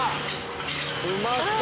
うまそう。